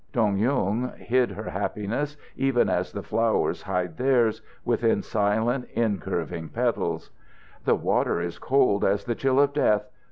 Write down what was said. Dong Yung hid her happiness even as the flowers hide theirs, within silent, incurving petals. "The water is cold as the chill of death.